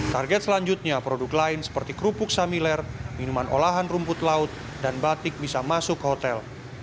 target selanjutnya produk lain seperti kerupuk samiler minuman olahan rumput laut dan batik bisa masuk ke hotel